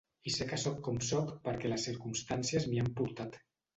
I sé que sóc com sóc perquè les circumstàncies m'hi han portat.